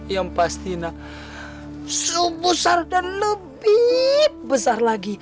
yang pastinya sebesar dan lebih besar lagi